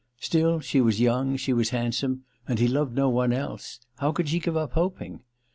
Still, she was young, she was handsome, and he loved no one else : how could she give up hoping